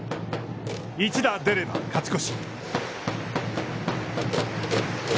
一打出れば、勝ち越し。